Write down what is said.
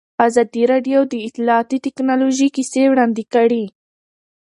ازادي راډیو د اطلاعاتی تکنالوژي کیسې وړاندې کړي.